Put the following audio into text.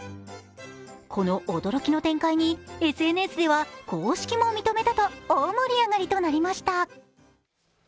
この驚きの展開に、ＳＮＳでは公式も認めたと大盛り上がりとなりました。